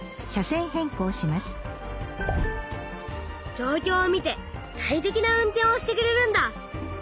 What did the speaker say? じょうきょうを見て最適な運転をしてくれるんだ！